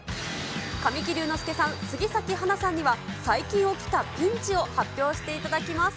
神木隆之介さん、杉咲花さんには、最近起きたピンチを発表していただきます。